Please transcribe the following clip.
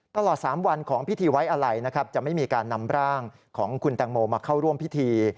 ตลอด๓วันของพิธีไว้อะไรนะครับจะไม่มีการนำร่างของคุณแตงโมมาเข้าร่วมพิธี